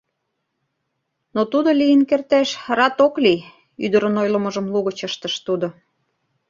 — Но тудо, лийын кертеш, рат ок лий, — ӱдырын ойлымыжым лугыч ыштыш тудо.